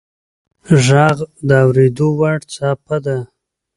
• ږغ د اورېدو وړ څپه ده.